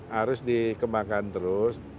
harus dikembangkan terus